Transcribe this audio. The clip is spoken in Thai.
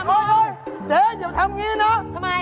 ๕โมงโอ๊ยเจ๊อย่าทำงี้นะ